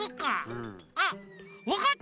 うん。あっわかった。